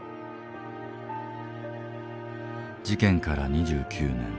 事件から２９年。